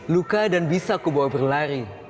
luka dan bisa aku bawa berlari